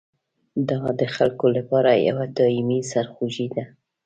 دا د خلکو لپاره یوه دایمي سرخوږي ده.